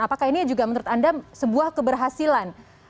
apakah ini juga menurut anda sebuah keberhasilan